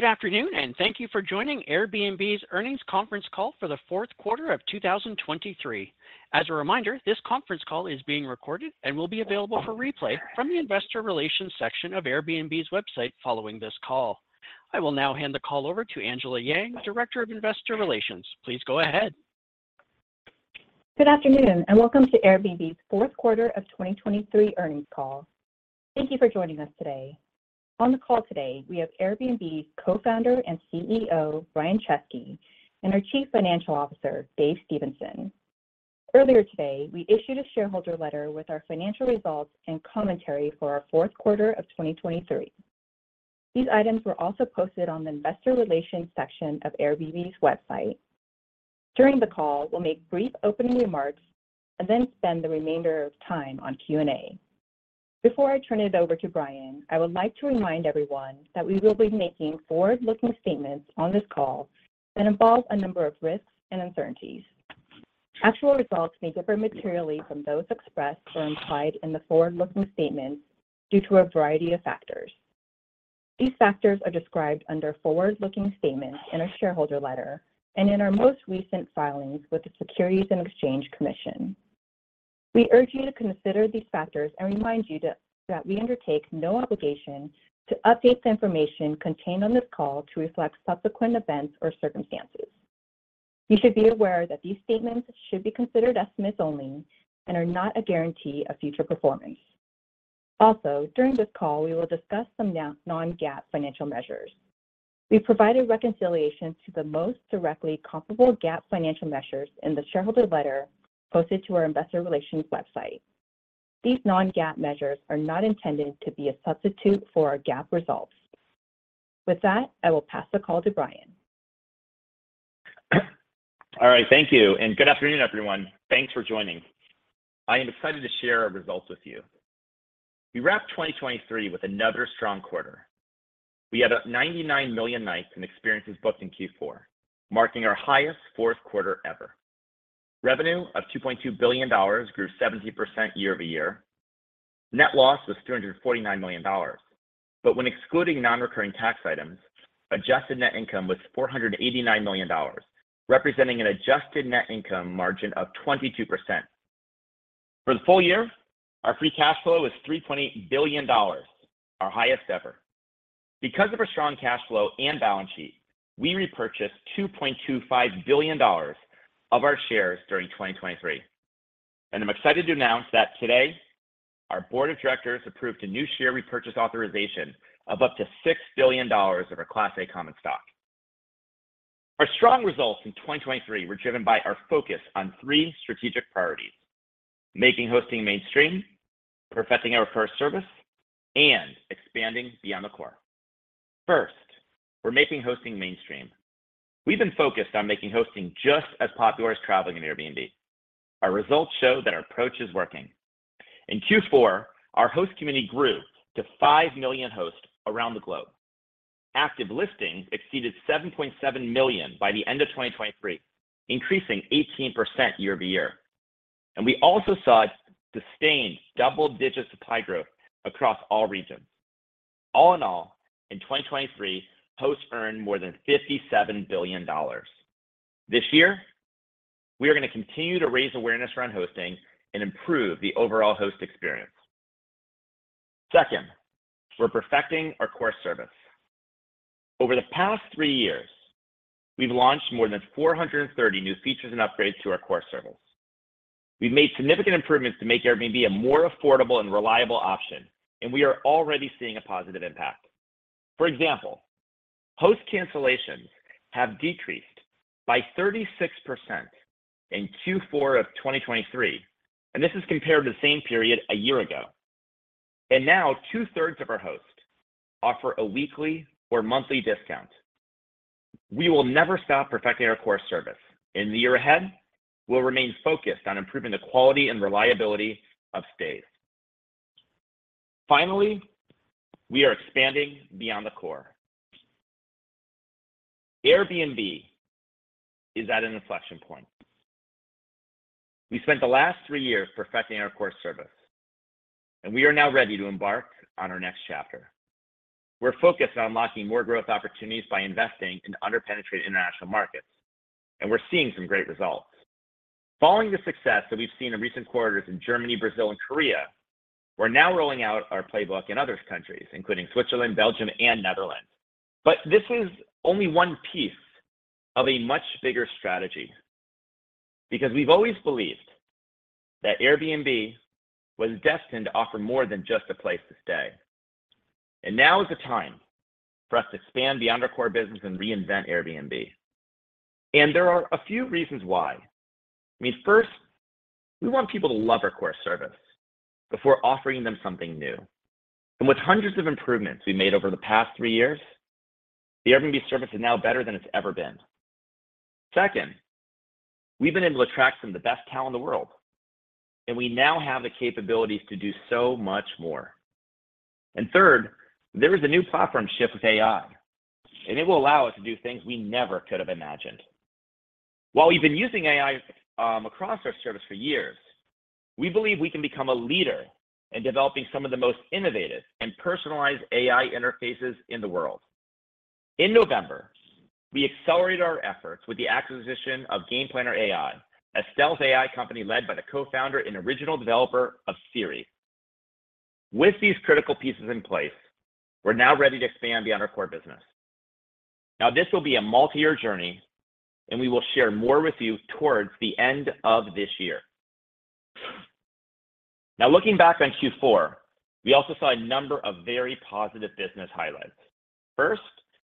Good afternoon, and thank you for joining Airbnb's earnings conference call for the fourth quarter of 2023. As a reminder, this conference call is being recorded and will be available for replay from the Investor Relations section of Airbnb's website following this call. I will now hand the call over to Angela Yang, Director of Investor Relations. Please go ahead. Good afternoon, and welcome to Airbnb's fourth quarter of 2023 earnings call. Thank you for joining us today. On the call today, we have Airbnb's Co-Founder and CEO Brian Chesky and our Chief Financial Officer, Dave Stephenson. Earlier today, we issued a shareholder letter with our financial results and commentary for our fourth quarter of 2023. These items were also posted on the Investor Relations section of Airbnb's website. During the call, we'll make brief opening remarks and then spend the remainder of time on Q&A. Before I turn it over to Brian, I would like to remind everyone that we will be making forward-looking statements on this call that involve a number of risks and uncertainties. Actual results may differ materially from those expressed or implied in the forward-looking statements due to a variety of factors. These factors are described under forward-looking statements in our shareholder letter and in our most recent filings with the Securities and Exchange Commission. We urge you to consider these factors and remind you that we undertake no obligation to update the information contained on this call to reflect subsequent events or circumstances. You should be aware that these statements should be considered estimates only and are not a guarantee of future performance. Also, during this call, we will discuss some Non-GAAP financial measures. We provided reconciliation to the most directly comparable GAAP financial measures in the shareholder letter posted to our investor relations website. These Non-GAAP measures are not intended to be a substitute for our GAAP results. With that, I will pass the call to Brian. All right, thank you. Good afternoon, everyone. Thanks for joining. I am excited to share our results with you. We wrapped 2023 with another strong quarter. We had about 99 million Nights and Experiences Booked in Q4, marking our highest fourth quarter ever. Revenue of $2.2 billion grew 17% year-over-year. Net loss was $349 million. But when excluding non-recurring tax items, adjusted net income was $489 million, representing an adjusted net income margin of 22%. For the full year, our free cash flow was $3.8 billion, our highest ever. Because of our strong cash flow and balance sheet, we repurchased $2.25 billion of our shares during 2023. And I'm excited to announce that today, our Board of Directors approved a new share repurchase authorization of up to $6 billion of our Class A common stock. Our strong results in 2023 were driven by our focus on three strategic priorities: making hosting mainstream, perfecting our core service, and expanding beyond the core. First, we're making hosting mainstream. We've been focused on making hosting just as popular as traveling in Airbnb. Our results show that our approach is working. In Q4, our host community grew to 5 million hosts around the globe. Active listings exceeded 7.7 million by the end of 2023, increasing 18% year-over-year. And we also saw sustained double-digit supply growth across all regions. All in all, in 2023, hosts earned more than $57 billion. This year, we are going to continue to raise awareness around hosting and improve the overall host experience. Second, we're perfecting our core service. Over the past three years, we've launched more than 430 new features and upgrades to our core service. We've made significant improvements to make Airbnb a more affordable and reliable option, and we are already seeing a positive impact. For example, host cancellations have decreased by 36% in Q4 of 2023, and this is compared to the same period a year ago. Now, two-thirds of our hosts offer a weekly or monthly discount. We will never stop perfecting our core service. In the year ahead, we'll remain focused on improving the quality and reliability of stays. Finally, we are expanding beyond the core. Airbnb is at an inflection point. We spent the last three years perfecting our core service, and we are now ready to embark on our next chapter. We're focused on unlocking more growth opportunities by investing in under-penetrated international markets, and we're seeing some great results. Following the success that we've seen in recent quarters in Germany, Brazil, and Korea, we're now rolling out our playbook in other countries, including Switzerland, Belgium, and Netherlands. This is only one piece of a much bigger strategy because we've always believed that Airbnb was destined to offer more than just a place to stay. Now is the time for us to expand beyond our core business and reinvent Airbnb. There are a few reasons why. I mean, first, we want people to love our core service before offering them something new. With hundreds of improvements we made over the past three years, the Airbnb service is now better than it's ever been. Second, we've been able to attract some of the best talent in the world, and we now have the capabilities to do so much more. And third, there is a new platform shift with AI, and it will allow us to do things we never could have imagined. While we've been using AI across our service for years, we believe we can become a leader in developing some of the most innovative and personalized AI interfaces in the world. In November, we accelerated our efforts with the acquisition of GamePlanner.AI, a stealth AI company led by the Co-Founder and original developer of Siri. With these critical pieces in place, we're now ready to expand beyond our core business. Now, this will be a multi-year journey, and we will share more with you towards the end of this year. Now, looking back on Q4, we also saw a number of very positive business highlights. First,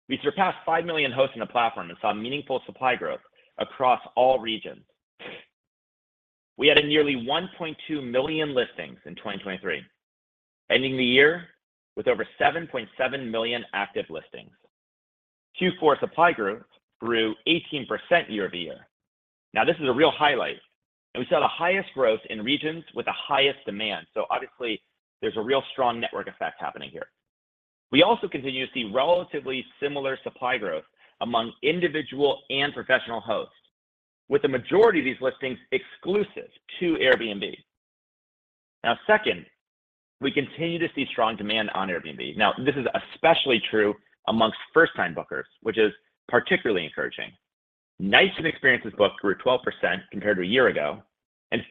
we surpassed 5 million hosts in the platform and saw meaningful supply growth across all regions. We had nearly 1.2 million listings in 2023, ending the year with over 7.7 million active listings. Q4 supply growth grew 18% year-over-year. Now, this is a real highlight, and we saw the highest growth in regions with the highest demand. So obviously, there's a real strong network effect happening here. We also continue to see relatively similar supply growth among individual and professional hosts, with the majority of these listings exclusive to Airbnb. Now, second, we continue to see strong demand on Airbnb. Now, this is especially true amongst first-time bookers, which is particularly encouraging. Nights and Experiences Booked grew 12% compared to a year ago.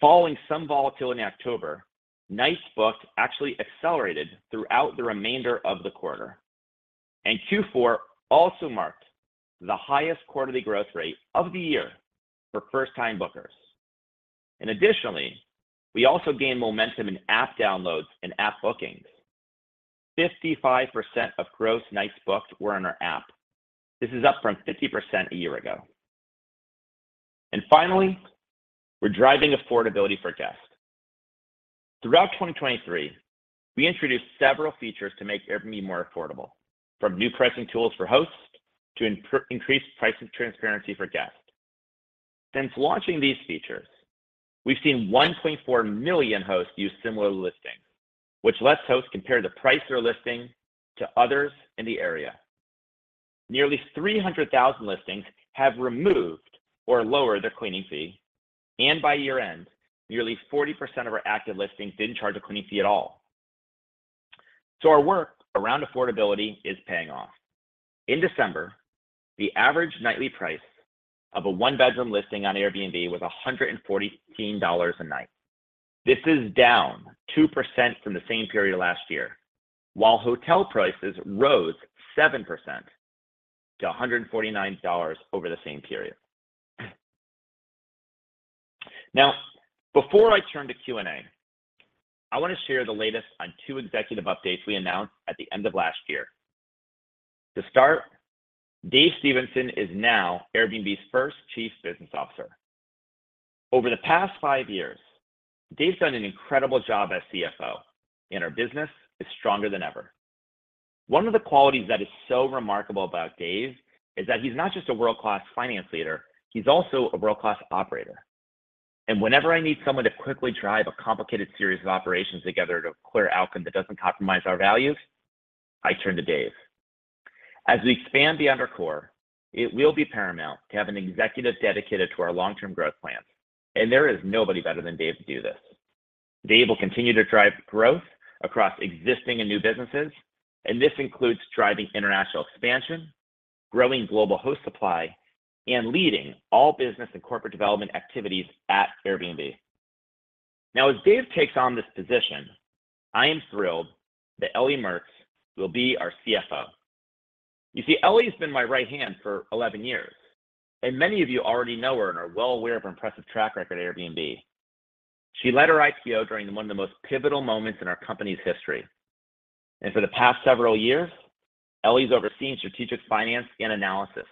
Following some volatility in October, nights booked actually accelerated throughout the remainder of the quarter. Q4 also marked the highest quarterly growth rate of the year for first-time bookers. Additionally, we also gained momentum in app downloads and app bookings. 55% of gross nights booked were in our app. This is up from 50% a year ago. Finally, we're driving affordability for guests. Throughout 2023, we introduced several features to make Airbnb more affordable, from new pricing tools for hosts to increased pricing transparency for guests. Since launching these features, we've seen 1.4 million hosts use similar listings, which lets hosts compare the price they're listing to others in the area. Nearly 300,000 listings have removed or lowered their cleaning fee. By year-end, nearly 40% of our active listings didn't charge a cleaning fee at all. So our work around affordability is paying off. In December, the average nightly price of a one-bedroom listing on Airbnb was $114 a night. This is down 2% from the same period last year, while hotel prices rose 7% to $149 over the same period. Now, before I turn to Q&A, I want to share the latest on two executive updates we announced at the end of last year. To start, Dave Stephenson is now Airbnb's first Chief Business Officer. Over the past five years, Dave's done an incredible job as CFO, and our business is stronger than ever. One of the qualities that is so remarkable about Dave is that he's not just a world-class finance leader. He's also a world-class operator. And whenever I need someone to quickly drive a complicated series of operations together to a clear outcome that doesn't compromise our values, I turn to Dave. As we expand beyond our core, it will be paramount to have an executive dedicated to our long-term growth plans. There is nobody better than Dave to do this. Dave will continue to drive growth across existing and new businesses, and this includes driving international expansion, growing global host supply, and leading all business and corporate development activities at Airbnb. Now, as Dave takes on this position, I am thrilled that Ellie Mertz will be our CFO. You see, Ellie has been my right hand for 11 years, and many of you already know her and are well aware of her impressive track record at Airbnb. She led our IPO during one of the most pivotal moments in our company's history. For the past several years, Ellie has overseen strategic finance and analysis,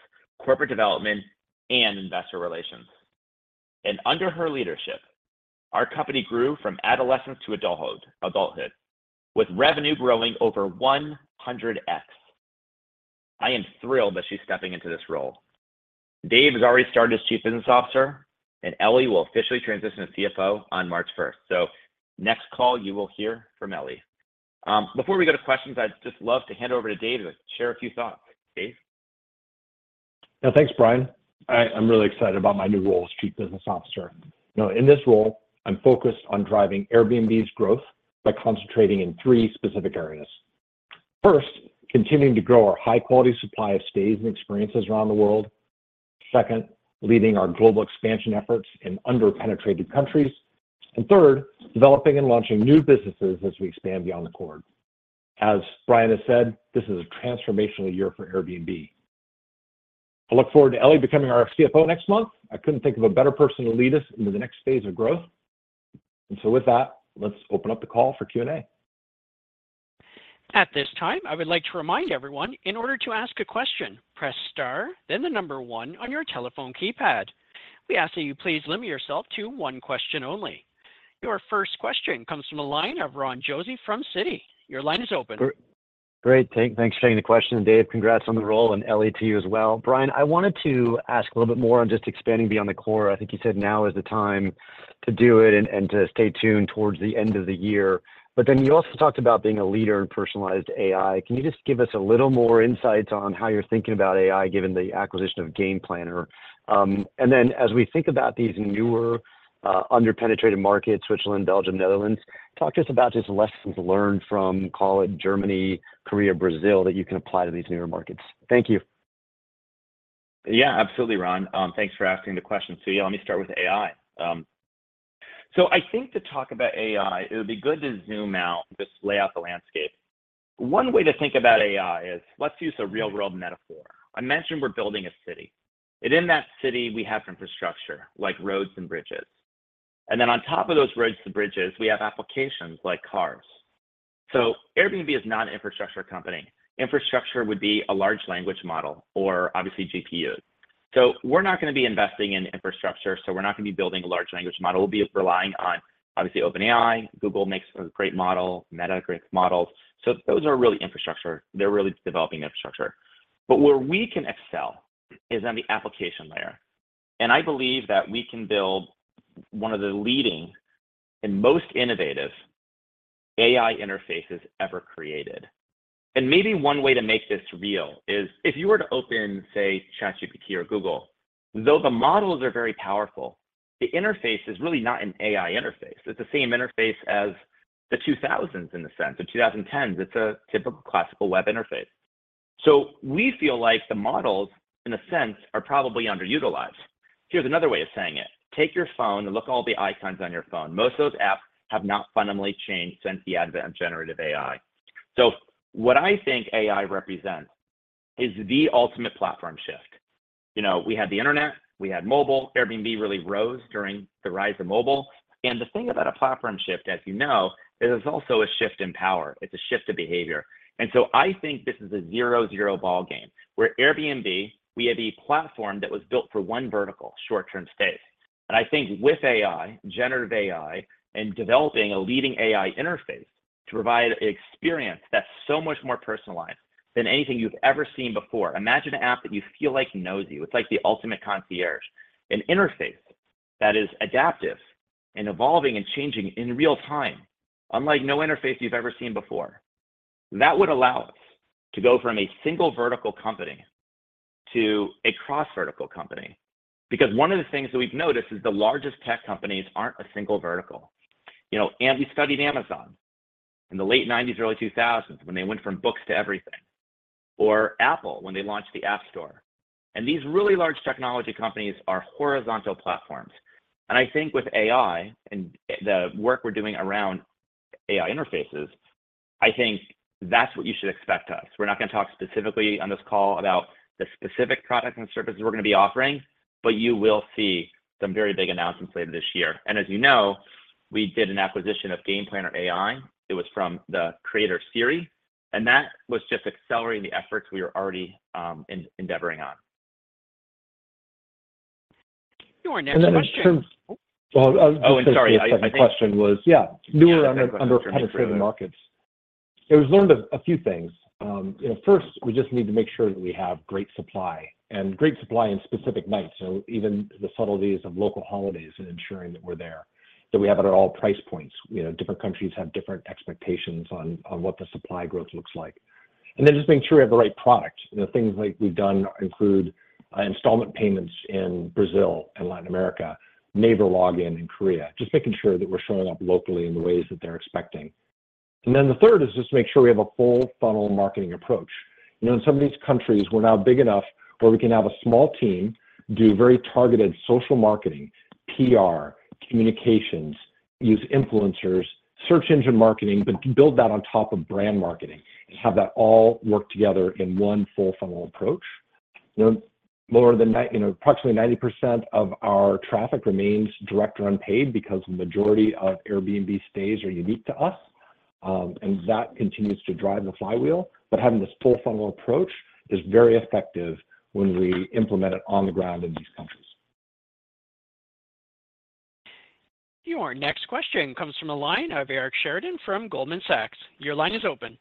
corporate development, and investor relations. Under her leadership, our company grew from adolescence to adulthood, with revenue growing over 100x. I am thrilled that she's stepping into this role. Dave has already started as Chief Business Officer, and Ellie will officially transition to CFO on March 1st. So next call, you will hear from Ellie. Before we go to questions, I'd just love to hand over to Dave to share a few thoughts. Dave? Yeah, thanks, Brian. I'm really excited about my new role as Chief Business Officer. In this role, I'm Focused on driving Airbnb's growth by concentrating in three specific areas. First, continuing to grow our high-quality supply of stays and experiences around the world. Second, leading our global expansion efforts in under-penetrated countries. And third, developing and launching new businesses as we expand beyond the core. As Brian has said, this is a transformational year for Airbnb. I look forward to Ellie becoming our CFO next month. I couldn't think of a better person to lead us into the next phase of growth. And so with that, let's open up the call for Q&A. At this time, I would like to remind everyone, in order to ask a question, press star, then the number one on your telephone keypad. We ask that you please limit yourself to one question only. Your first question comes from a line of Ron Josey from Citi. Your line is open. Great. Thanks for taking the question, Dave. Congrats on the role, and Ellie to you as well. Brian, I wanted to ask a little bit more on just expanding beyond the core. I think you said now is the time to do it and to stay tuned towards the end of the year. But then you also talked about being a leader in personalized AI. Can you just give us a little more insights on how you're thinking about AI, given the acquisition of GamePlanner? And then as we think about these newer under-penetrated markets, Switzerland, Belgium, Netherlands, talk to us about just lessons learned from, call it, Germany, Korea, Brazil that you can apply to these newer markets. Thank you. Yeah, absolutely, Ron. Thanks for asking the question. So yeah, let me start with AI. So I think to talk about AI, it would be good to zoom out, just lay out the landscape. One way to think about AI is let's use a real-world metaphor. I mentioned we're building a city. And in that city, we have infrastructure like roads and bridges. And then on top of those roads and bridges, we have applications like cars. So Airbnb is not an infrastructure company. Infrastructure would be a large language model or, obviously, GPUs. So we're not going to be investing in infrastructure, so we're not going to be building a large language model. We'll be relying on, obviously, OpenAI. Google makes a great model. Meta creates models. So those are really infrastructure. They're really developing infrastructure. But where we can excel is on the application layer. I believe that we can build one of the leading and most innovative AI interfaces ever created. Maybe one way to make this real is if you were to open, say, ChatGPT or Google, though the models are very powerful, the interface is really not an AI interface. It's the same interface as the 2000s in the sense. The 2010s, it's a typical classical web interface. We feel like the models, in a sense, are probably underutilized. Here's another way of saying it: take your phone and look at all the icons on your phone. Most of those apps have not fundamentally changed since the advent of generative AI. What I think AI represents is the ultimate platform shift. We had the internet. We had mobile. Airbnb really rose during the rise of mobile. The thing about a platform shift, as you know, is it's also a shift in power. It's a shift of behavior. So I think this is a zero-zero ballgame where Airbnb, we have a platform that was built for one vertical: short-term stays. I think with AI, generative AI, and developing a leading AI interface to provide an experience that's so much more personalized than anything you've ever seen before, imagine an app that you feel like knows you. It's like the ultimate concierge. An interface that is adaptive and evolving and changing in real time, unlike no interface you've ever seen before. That would allow us to go from a single vertical company to a cross-vertical company because one of the things that we've noticed is the largest tech companies aren't a single vertical. We studied Amazon in the late '90s, early 2000s, when they went from books to everything, or Apple when they launched the App Store. These really large technology companies are horizontal platforms. I think with AI and the work we're doing around AI interfaces, I think that's what you should expect of us. We're not going to talk specifically on this call about the specific products and services we're going to be offering, but you will see some very big announcements later this year. As you know, we did an acquisition of GamePlanner.AI. It was from the creator Siri. That was just accelerating the efforts we were already endeavoring on. Your next question. And then, in terms of. Oh, I'm sorry. I was going to say my question was, yeah, newer under-penetrated markets. It was learned a few things. First, we just need to make sure that we have great supply and great supply in specific nights, even the subtleties of local holidays and ensuring that we're there, that we have it at all price points. Different countries have different expectations on what the supply growth looks like. And then just making sure we have the right product. Things like we've done include installment payments in Brazil and Latin America, Naver login in Korea, just making sure that we're showing up locally in the ways that they're expecting. And then the third is just make sure we have a full-funnel marketing approach. In some of these countries, we're now big enough where we can have a small team do very targeted social marketing, PR, communications, use influencers, search engine marketing, but build that on top of brand marketing and have that all work together in one full-funnel approach. More than approximately 90% of our traffic remains direct, not paid because the majority of Airbnb stays are unique to us. And that continues to drive the flywheel. But having this full-funnel approach is very effective when we implement it on the ground in these countries. Your next question comes from a line of Eric Sheridan from Goldman Sachs. Your line is open.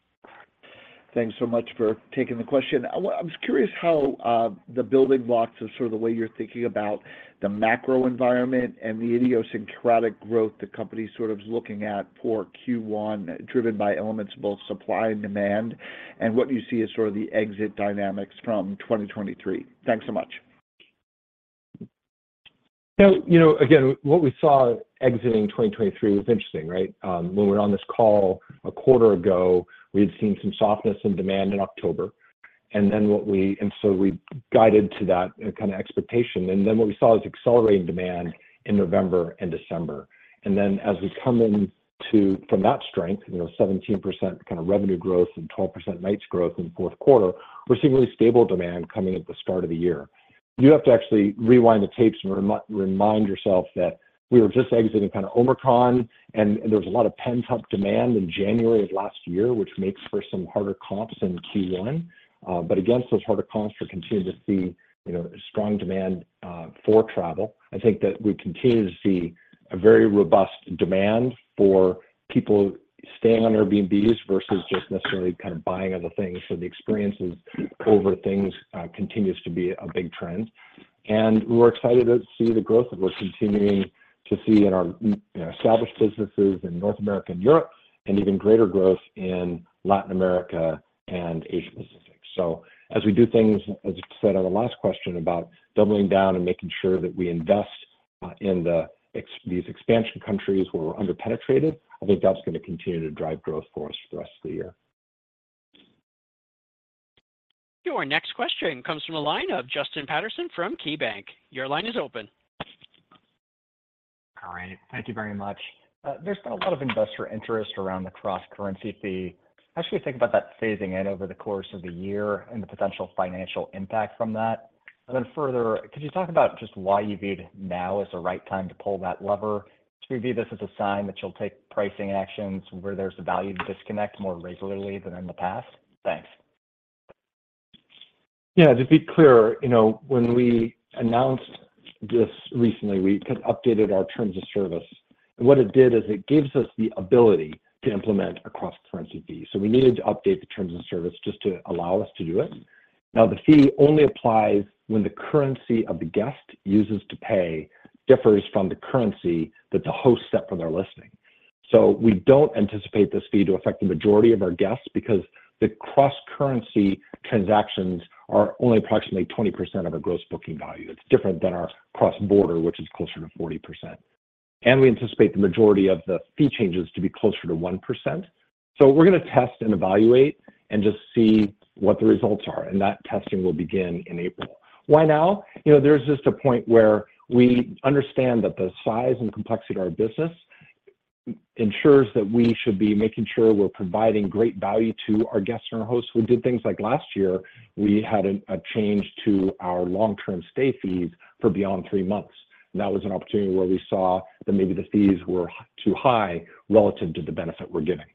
Thanks so much for taking the question. I was curious how the building blocks of sort of the way you're thinking about the macro environment and the idiosyncratic growth the company sort of is looking at for Q1, driven by elements of both supply and demand, and what you see as sort of the exit dynamics from 2023? Thanks so much. So again, what we saw exiting 2023 was interesting, right? When we were on this call a quarter ago, we had seen some softness in demand in October. And then what we saw was accelerating demand in November and December. And then as we come in from that strength, 17% kind of revenue growth and 12% nights growth in the fourth quarter, we're seeing really stable demand coming at the start of the year. You have to actually rewind the tapes and remind yourself that we were just exiting kind of Omicron, and there was a lot of pent-up demand in January of last year, which makes for some harder comps in Q1. But against those harder comps, we continue to see strong demand for travel. I think that we continue to see a very robust demand for people staying on Airbnbs versus just necessarily kind of buying other things. So the experiences over things continues to be a big trend. And we're excited to see the growth that we're continuing to see in our established businesses in North America and Europe, and even greater growth in Latin America and Asia Pacific. So as we do things, as I said on the last question about doubling down and making sure that we invest in these expansion countries where we're under-penetrated, I think that's going to continue to drive growth for us for the rest of the year. Your next question comes from a line of Justin Patterson from KeyBanc. Your line is open. All right. Thank you very much. There's been a lot of investor interest around the cross-currency fee. How should we think about that phasing in over the course of the year and the potential financial impact from that? And then further, could you talk about just why you viewed now as the right time to pull that lever? Should we view this as a sign that you'll take pricing actions where there's a value to disconnect more regularly than in the past? Thanks. Yeah, to be clear, when we announced this recently, we updated our terms of service. And what it did is it gives us the ability to implement a cross-currency fee. So we needed to update the terms of service just to allow us to do it. Now, the fee only applies when the currency the guest uses to pay differs from the currency that the host set for their listing. So we don't anticipate this fee to affect the majority of our guests because the cross-currency transactions are only approximately 20% of our gross booking value. It's different than our cross-border, which is closer to 40%. And we anticipate the majority of the fee changes to be closer to 1%. So we're going to test and evaluate and just see what the results are. And that testing will begin in April. Why now? There's just a point where we understand that the size and complexity of our business ensures that we should be making sure we're providing great value to our guests and our hosts. We did things like last year, we had a change to our long-term stay fees for beyond three months. That was an opportunity where we saw that maybe the fees were too high relative to the benefit we're giving.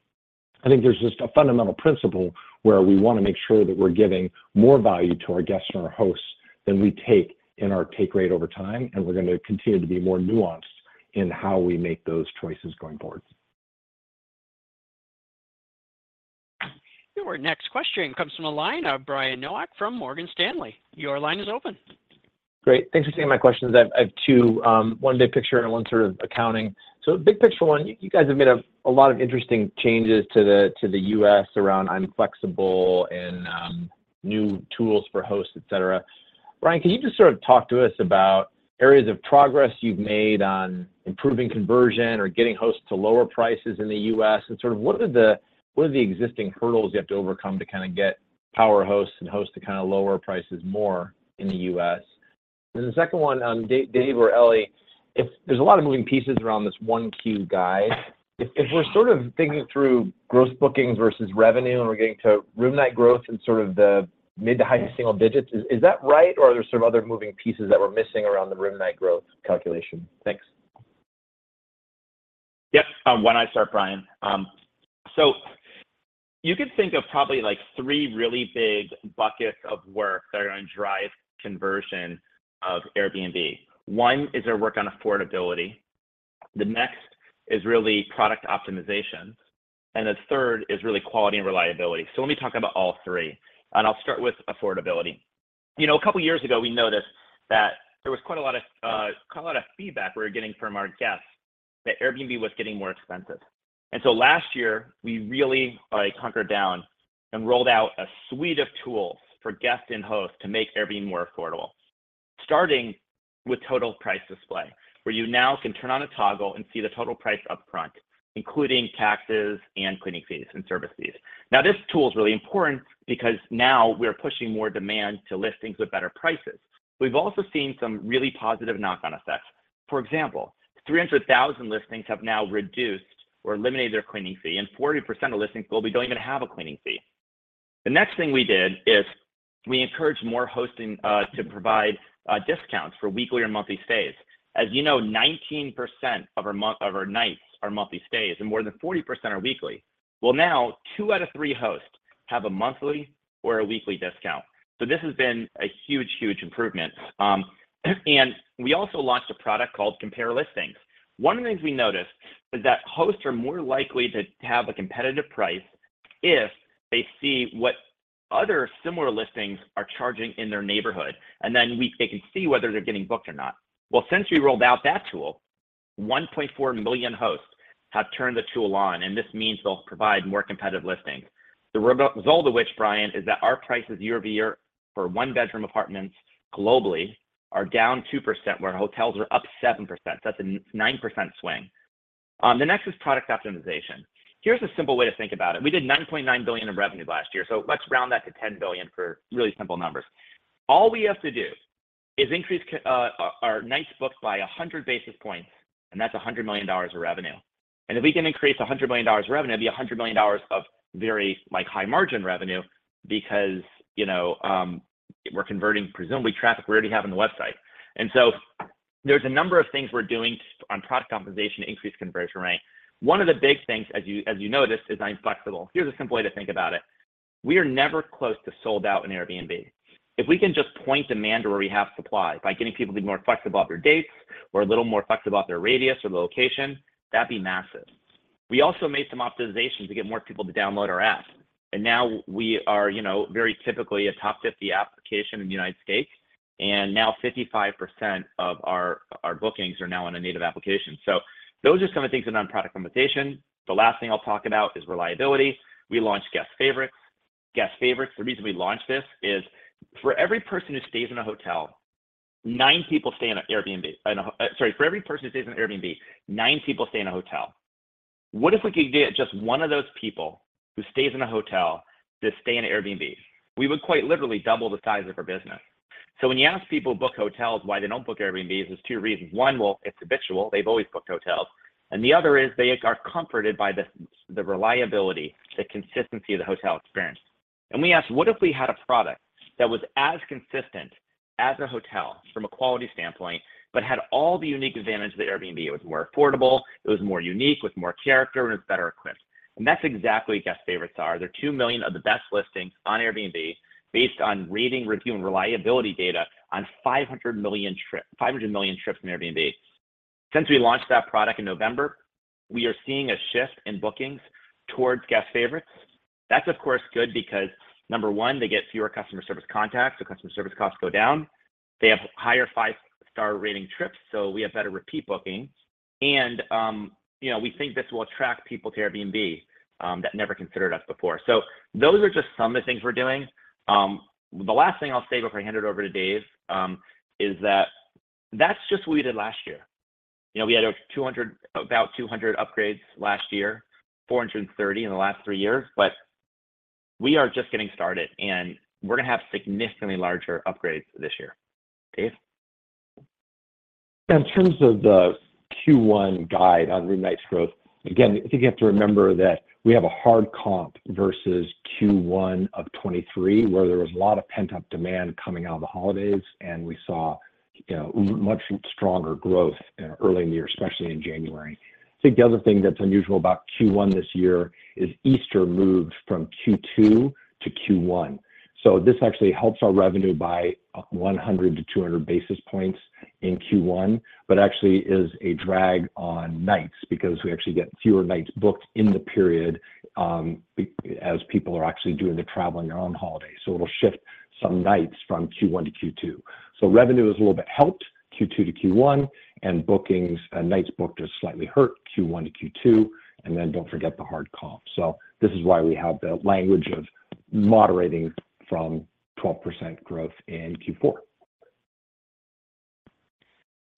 I think there's just a fundamental principle where we want to make sure that we're giving more value to our guests and our hosts than we take in our take rate over time. We're going to continue to be more nuanced in how we make those choices going forward. Your next question comes from a line of Brian Nowak from Morgan Stanley. Your line is open. Great. Thanks for taking my questions. I have one big picture and one sort of accounting. So big picture one, you guys have made a lot of interesting changes to the U.S. around I'm Flexible and new tools for hosts, etc. Brian, can you just sort of talk to us about areas of progress you've made on improving conversion or getting hosts to lower prices in the U.S.? And sort of what are the existing hurdles you have to overcome to kind of get power hosts and hosts to kind of lower prices more in the U.S.? And then the second one, Dave or Ellie, there's a lot of moving pieces around this Q1 guidance. If we're sort of thinking through gross bookings versus revenue and we're getting to room-night growth and sort of the mid to high single digits, is that right, or are there sort of other moving pieces that we're missing around the room-night growth calculation? Thanks. Yep. Why not I start, Brian? So you could think of probably three really big buckets of work that are going to drive conversion of Airbnb. One is our work on affordability. The next is really product optimization. And the third is really quality and reliability. So let me talk about all three. And I'll start with affordability. A couple of years ago, we noticed that there was quite a lot of quite a lot of feedback we were getting from our guests that Airbnb was getting more expensive. And so last year, we really doubled down and rolled out a suite of tools for guests and hosts to make Airbnb more affordable, starting with total price display where you now can turn on a toggle and see the total price upfront, including taxes and cleaning fees and service fees. Now, this tool is really important because now we're pushing more demand to listings with better prices. We've also seen some really positive knock-on effects. For example, 300,000 listings have now reduced or eliminated their cleaning fee, and 40% of listings don't even have a cleaning fee. The next thing we did is we encouraged more hosts to provide discounts for weekly or monthly stays. As you know, 19% of our nights are monthly stays, and more than 40% are weekly. Well, now, two out of three hosts have a monthly or a weekly discount. So this has been a huge, huge improvement. And we also launched a product called Compare Listings. One of the things we noticed is that hosts are more likely to have a competitive price if they see what other similar listings are charging in their neighborhood, and then they can see whether they're getting booked or not. Well, since we rolled out that tool, 1.4 million hosts have turned the tool on, and this means they'll provide more competitive listings. The result of which, Brian, is that our prices year-over-year for one-bedroom apartments globally are down 2%, where hotels are up 7%. So that's a 9% swing. The next is product optimization. Here's a simple way to think about it. We did $9.9 billion in revenue last year. So let's round that to $10 billion for really simple numbers. All we have to do is increase our nights booked by 100 basis points, and that's $100 million of revenue. If we can increase $100 million of revenue, it'll be $100 million of very high-margin revenue because we're converting presumably traffic we already have on the website. And so there's a number of things we're doing on product optimization to increase conversion rate. One of the big things, as you noticed, is I'm Flexible. Here's a simple way to think about it. We are never close to sold out in Airbnb. If we can just point demand to where we have supply by getting people to be more flexible about their dates or a little more flexible about their radius or location, that'd be massive. We also made some optimizations to get more people to download our app. And now we are very typically a top 50 application in the United States. And now, 55% of our bookings are now on a native application. So those are some of the things that are on product optimization. The last thing I'll talk about is reliability. We launched Guest Favorites. Guest Favorites, the reason we launched this is for every person who stays in a hotel, nine people stay in an Airbnb—sorry, for every person who stays in an Airbnb, nine people stay in a hotel. What if we could get just one of those people who stays in a hotel to stay in an Airbnb? We would quite literally double the size of our business. So when you ask people who book hotels why they don't book Airbnbs, there are two reasons. One, well, it's habitual. They've always booked hotels. The other is they are comforted by the reliability, the consistency of the hotel experience. We asked, "What if we had a product that was as consistent as a hotel from a quality standpoint but had all the unique advantages of Airbnb? It was more affordable. It was more unique, with more character, and it was better equipped." That's exactly what Guest Favorites are. There are 2 million of the best listings on Airbnb based on ratings, reviews, and reliability data on 500 million trips in Airbnb. Since we launched that product in November, we are seeing a shift in bookings towards Guest Favorites. That's, of course, good because, number one, they get fewer customer service contacts. So customer service costs go down. They have higher five-star rating trips, so we have better repeat bookings. And we think this will attract people to Airbnb that never considered us before. So those are just some of the things we're doing. The last thing I'll say before I hand it over to Dave is that that's just what we did last year. We had about 200 upgrades last year, 430 in the last three years. But we are just getting started, and we're going to have significantly larger upgrades this year. Dave? Yeah. In terms of the Q1 guide on room-night growth, again, I think you have to remember that we have a hard comp versus Q1 of 2023 where there was a lot of pent-up demand coming out of the holidays, and we saw much stronger growth early in the year, especially in January. I think the other thing that's unusual about Q1 this year is Easter moved from Q2 to Q1. So this actually helps our revenue by 100-200 basis points in Q1 but actually is a drag on nights because we actually get fewer nights booked in the period as people are actually doing the traveling or on holiday. So it'll shift some nights from Q1 to Q2. So revenue is a little bit helped Q2 to Q1, and nights booked are slightly hurt Q1 to Q2. And then don't forget the hard comp. This is why we have the language of moderating from 12% growth in Q4.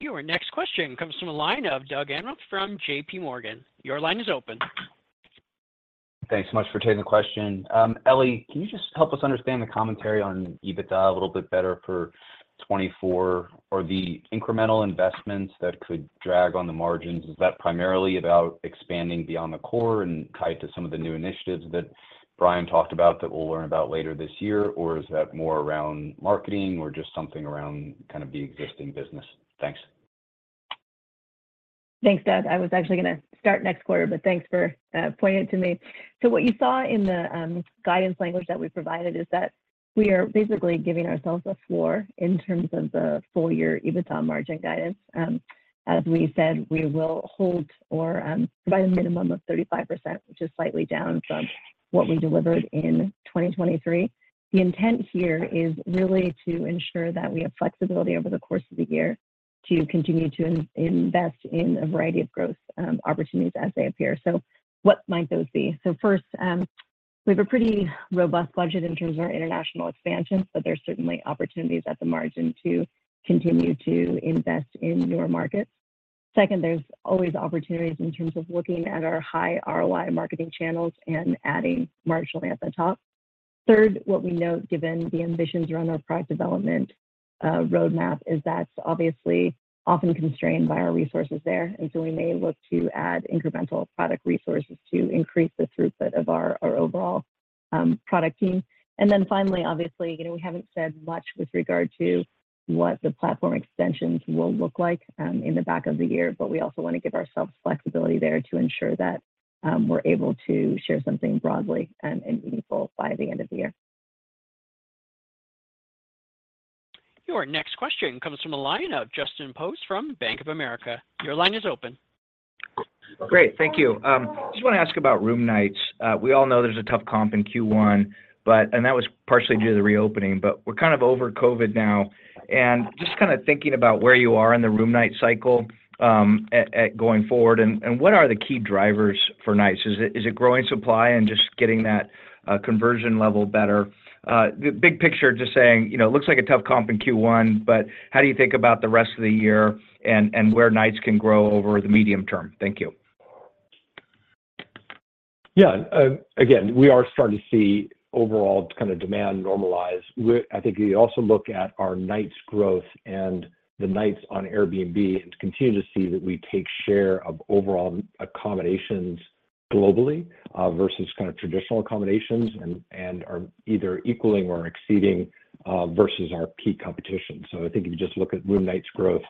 Your next question comes from a line of Doug Anmuth from JPMorgan. Your line is open. Thanks so much for taking the question. Ellie, can you just help us understand the commentary on EBITDA a little bit better for 2024 or the incremental investments that could drag on the margins? Is that primarily about expanding beyond the core and tied to some of the new initiatives that Brian talked about that we'll learn about later this year, or is that more around marketing or just something around kind of the existing business? Thanks. Thanks, Doug. I was actually going to start next quarter, but thanks for pointing it to me. So what you saw in the guidance language that we provided is that we are basically giving ourselves a floor in terms of the full-year EBITDA margin guidance. As we said, we will hold or provide a minimum of 35%, which is slightly down from what we delivered in 2023. The intent here is really to ensure that we have flexibility over the course of the year to continue to invest in a variety of growth opportunities as they appear. So what might those be? So first, we have a pretty robust budget in terms of our international expansion, but there's certainly opportunities at the margin to continue to invest in newer markets. Second, there's always opportunities in terms of looking at our high ROI marketing channels and adding marginally at the top. Third, what we note, given the ambitions around our product development roadmap, is, that's obviously often constrained by our resources there. And so we may look to add incremental product resources to increase the throughput of our overall product team. And then finally, obviously, we haven't said much with regard to what the platform extensions will look like in the back of the year, but we also want to give ourselves flexibility there to ensure that we're able to share something broadly and meaningful by the end of the year. Your next question comes from a line of Justin Post from Bank of America. Your line is open. Great. Thank you. I just want to ask about room nights. We all know there's a tough comp in Q1, and that was partially due to the reopening. But we're kind of over COVID now. And just kind of thinking about where you are in the room-night cycle going forward, and what are the key drivers for nights? Is it growing supply and just getting that conversion level better? The big picture, just saying, it looks like a tough comp in Q1, but how do you think about the rest of the year and where nights can grow over the medium term? Thank you. Yeah. Again, we are starting to see overall kind of demand normalize. I think you also look at our nights growth and the nights on Airbnb and continue to see that we take share of overall accommodations globally versus kind of traditional accommodations and are either equaling or exceeding versus our peak competition. So I think if you just look at room nights growth,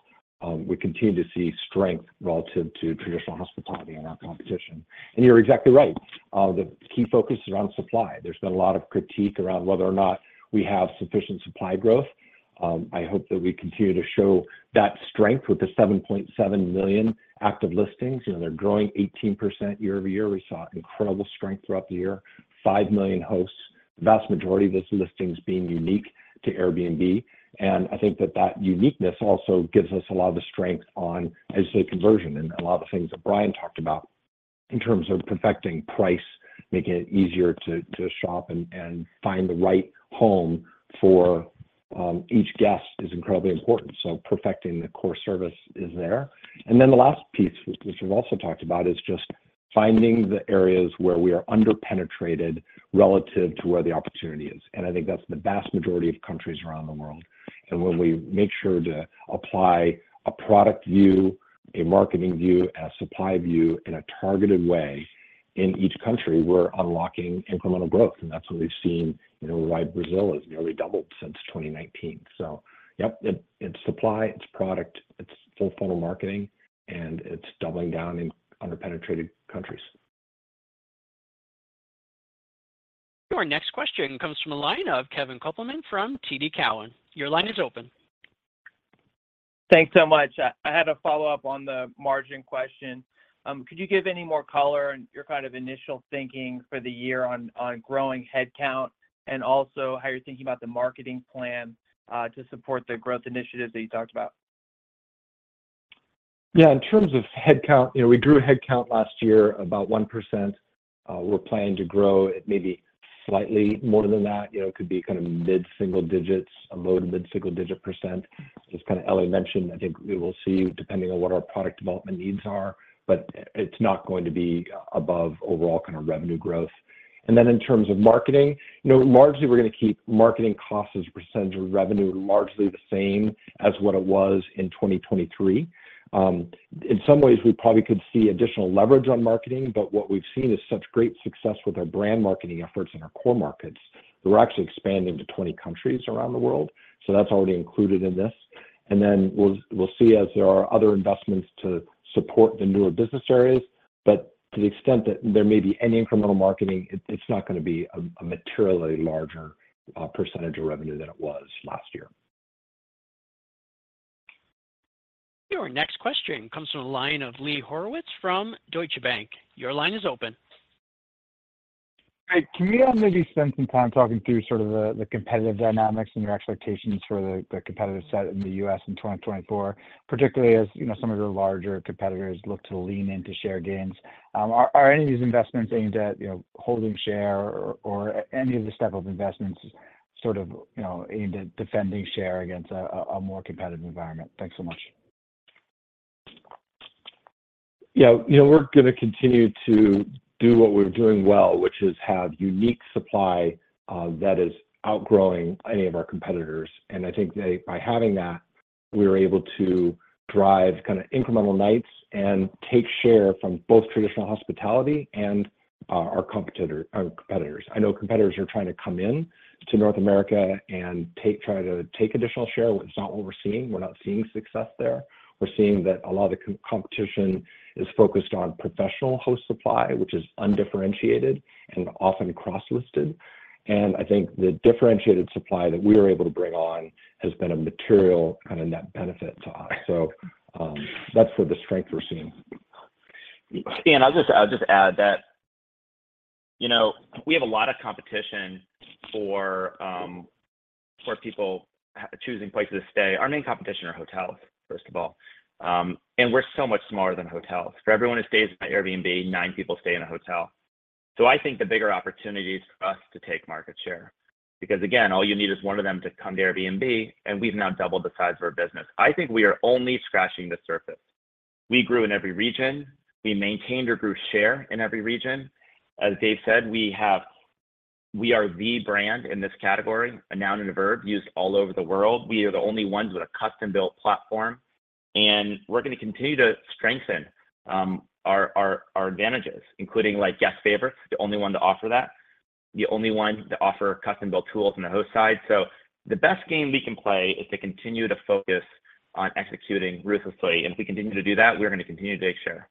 we continue to see strength relative to traditional hospitality and our competition. You're exactly right. The key focus is around supply. There's been a lot of critique around whether or not we have sufficient supply growth. I hope that we continue to show that strength with the 7.7 million active listings. They're growing 18% year-over-year. We saw incredible strength throughout the year, 5 million hosts, the vast majority of those listings being unique to Airbnb. And I think that that uniqueness also gives us a lot of the strength on, as you say, conversion and a lot of the things that Brian talked about in terms of perfecting price, making it easier to shop and find the right home for each guest is incredibly important. So perfecting the core service is there. And then the last piece, which we've also talked about, is just finding the areas where we are underpenetrated relative to where the opportunity is. And I think that's the vast majority of countries around the world. And when we make sure to apply a product view, a marketing view, and a supply view in a targeted way in each country, we're unlocking incremental growth. And that's what we've seen where Brazil has nearly doubled since 2019. So yep, it's supply. It's product. It's full-funnel marketing. And it's doubling down in underpenetrated countries. Your next question comes from a line of Kevin Kopelman from TD Cowen. Your line is open. Thanks so much. I had a follow-up on the margin question. Could you give any more color on your kind of initial thinking for the year on growing headcount and also how you're thinking about the marketing plan to support the growth initiatives that you talked about? Yeah. In terms of headcount, we grew headcount last year about 1%. We're planning to grow it maybe slightly more than that. It could be kind of mid-single digits, a low- to mid-single-digit percent. As kind of Ellie mentioned, I think we will see depending on what our product development needs are, but it's not going to be above overall kind of revenue growth. And then in terms of marketing, largely, we're going to keep marketing costs as a percentage of revenue largely the same as what it was in 2023. In some ways, we probably could see additional leverage on marketing, but what we've seen is such great success with our brand marketing efforts in our core markets that we're actually expanding to 20 countries around the world. So that's already included in this. And then we'll see as there are other investments to support the newer business areas. But to the extent that there may be any incremental marketing, it's not going to be a materially larger percentage of revenue than it was last year. Your next question comes from a line of Lee Horowitz from Deutsche Bank. Your line is open. Hey. Can we maybe spend some time talking through sort of the competitive dynamics and your expectations for the competitive set in the U.S. in 2024, particularly as some of your larger competitors look to lean into share gains? Are any of these investments aimed at holding share or any of the step-up investments sort of aimed at defending share against a more competitive environment? Thanks so much. Yeah. We're going to continue to do what we're doing well, which is have unique supply that is outgrowing any of our competitors. And I think by having that, we're able to drive kind of incremental nights and take share from both traditional hospitality and our competitors. I know competitors are trying to come in to North America and try to take additional share. It's not what we're seeing. We're not seeing success there. We're seeing that a lot of the competition is focused on professional host supply, which is undifferentiated and often cross-listed. And I think the differentiated supply that we were able to bring on has been a material kind of net benefit to us. So that's where the strength we're seeing. I'll just add that we have a lot of competition for people choosing places to stay. Our main competition are hotels, first of all. We're so much smaller than hotels. For everyone who stays in an Airbnb, nine people stay in a hotel. So I think the bigger opportunity is for us to take market share because, again, all you need is one of them to come to Airbnb, and we've now doubled the size of our business. I think we are only scratching the surface. We grew in every region. We maintained or grew share in every region. As Dave said, we are the brand in this category, a noun and a verb, used all over the world. We are the only ones with a custom-built platform. We're going to continue to strengthen our advantages, including Guest Favorites, the only one to offer that, the only one to offer custom-built tools on the host side. The best game we can play is to continue to focus on executing ruthlessly. If we continue to do that, we're going to continue to take share.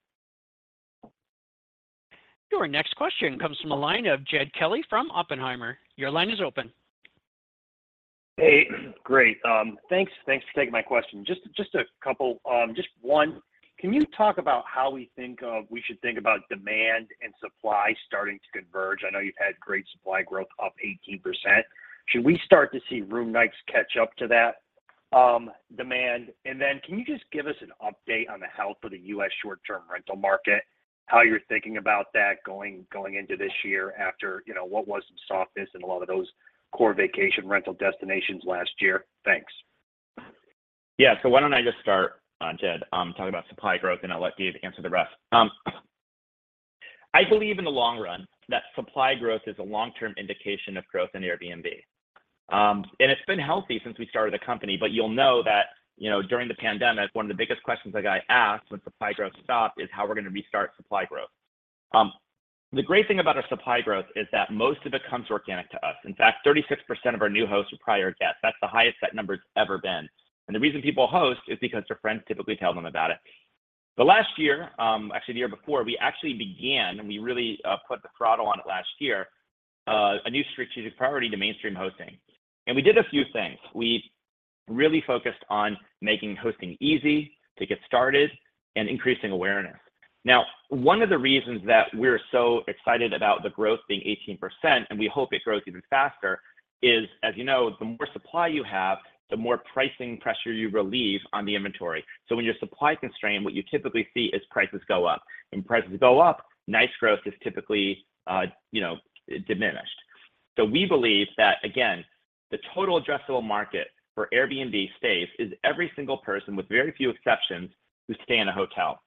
Your next question comes from a line of Jed Kelly from Oppenheimer. Your line is open. Hey. Great. Thanks for taking my question. Just a couple, just one. Can you talk about how we think we should think about demand and supply starting to converge? I know you've had great supply growth up 18%. Should we start to see room nights catch up to that demand? And then can you just give us an update on the health of the U.S. short-term rental market, how you're thinking about that going into this year after what was some softness in a lot of those core vacation rental destinations last year? Thanks. Yeah. So why don't I just start, Jed, talking about supply growth, and I'll let Dave answer the rest. I believe in the long run that supply growth is a long-term indication of growth in Airbnb. And it's been healthy since we started the company. But you'll know that during the pandemic, one of the biggest questions that I asked when supply growth stopped is how we're going to restart supply growth. The great thing about our supply growth is that most of it comes organic to us. In fact, 36% of our new hosts are prior guests. That's the highest set number it's ever been. And the reason people host is because their friends typically tell them about it. But last year, actually the year before, we actually began, and we really put the throttle on it last year, a new strategic priority to mainstream hosting. We did a few things. We really focused on making hosting easy to get started and increasing awareness. Now, one of the reasons that we're so excited about the growth being 18%, and we hope it grows even faster, is, as you know, the more supply you have, the more pricing pressure you relieve on the inventory. So when you're supply constrained, what you typically see is prices go up. And when prices go up, nights growth is typically diminished. So we believe that, again, the total addressable market for Airbnb stays is every single person with very few exceptions who stay in a hotel.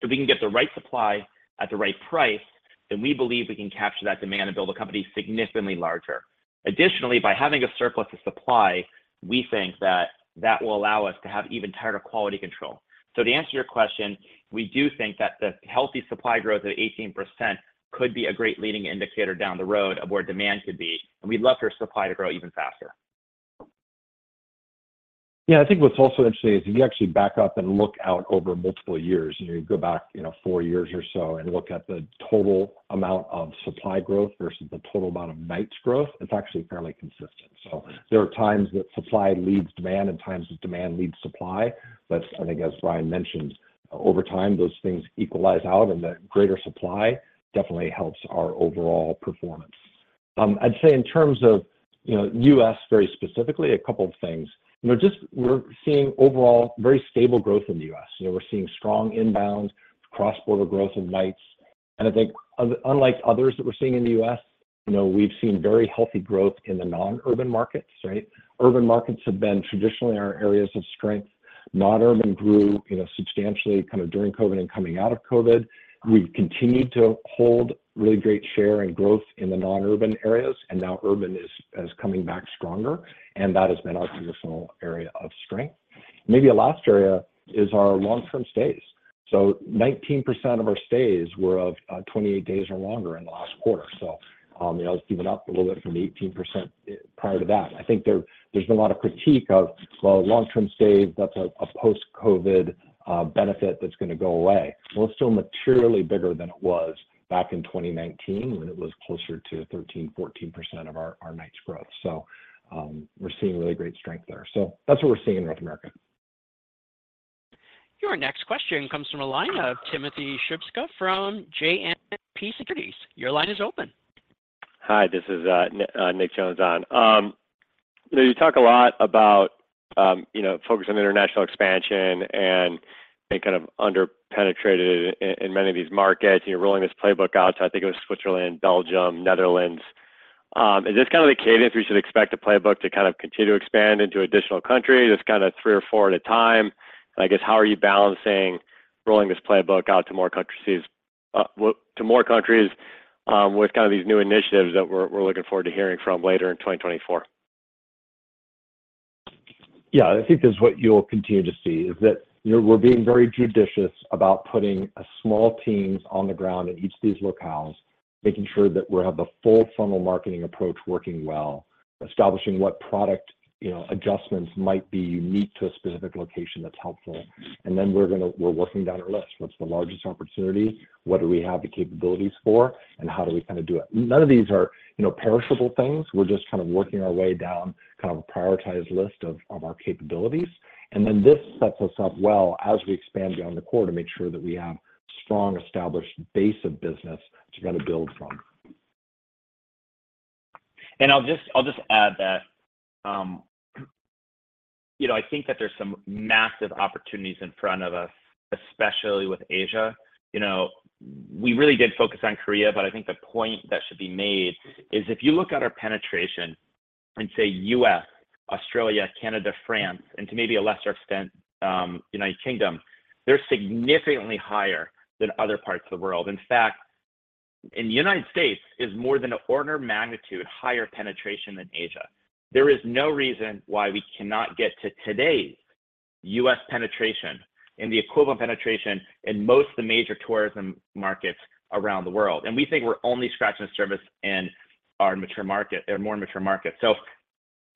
If we can get the right supply at the right price, then we believe we can capture that demand and build a company significantly larger. Additionally, by having a surplus of supply, we think that that will allow us to have even tighter quality control. So to answer your question, we do think that the healthy supply growth of 18% could be a great leading indicator down the road of where demand could be. We'd love for supply to grow even faster. Yeah. I think what's also interesting is if you actually back up and look out over multiple years, you go back four years or so and look at the total amount of supply growth versus the total amount of nights growth, it's actually fairly consistent. So there are times that supply leads demand and times that demand leads supply. But I think, as Brian mentioned, over time, those things equalize out, and the greater supply definitely helps our overall performance. I'd say in terms of U.S. very specifically, a couple of things. We're seeing overall very stable growth in the U.S. We're seeing strong inbound, cross-border growth of nights. And I think unlike others that we're seeing in the U.S., we've seen very healthy growth in the non-urban markets, right? Urban markets have been traditionally our areas of strength. Non-urban grew substantially kind of during COVID and coming out of COVID. We've continued to hold really great share and growth in the non-urban areas. Now urban is coming back stronger. That has been our traditional area of strength. Maybe a last area is our long-term stays. So 19% of our stays were of 28 days or longer in the last quarter. It's even up a little bit from the 18% prior to that. I think there's been a lot of critique of, "Well, long-term stays, that's a post-COVID benefit that's going to go away." Well, it's still materially bigger than it was back in 2019 when it was closer to 13%-14% of our nights growth. We're seeing really great strength there. That's what we're seeing in North America. Your next question comes from a line of Timothy Shubsda from JMP Securities. Your line is open. Hi. This is Nick Jones. You talk a lot about focus on international expansion and being kind of underpenetrated in many of these markets. You're rolling this playbook out. So I think it was Switzerland, Belgium, Netherlands. Is this kind of the cadence we should expect the playbook to kind of continue to expand into additional countries, just kind of three or four at a time? And I guess, how are you balancing rolling this playbook out to more countries with kind of these new initiatives that we're looking forward to hearing from later in 2024? Yeah. I think that's what you'll continue to see is that we're being very judicious about putting small teams on the ground in each of these locales, making sure that we have the full-funnel marketing approach working well, establishing what product adjustments might be unique to a specific location that's helpful. And then we're working down our list. What's the largest opportunity? What do we have the capabilities for? And how do we kind of do it? None of these are perishable things. We're just kind of working our way down kind of a prioritized list of our capabilities. And then this sets us up well as we expand beyond the core to make sure that we have a strong, established base of business to kind of build from. I'll just add that I think that there's some massive opportunities in front of us, especially with Asia. We really did focus on Korea. But I think the point that should be made is if you look at our penetration and say U.S., Australia, Canada, France, and to maybe a lesser extent, United Kingdom, they're significantly higher than other parts of the world. In fact, in the United States, it's more than an order of magnitude higher penetration than Asia. There is no reason why we cannot get to today's U.S. penetration and the equivalent penetration in most of the major tourism markets around the world. And we think we're only scratching the surface in our more mature markets. So